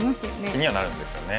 気にはなるんですよね。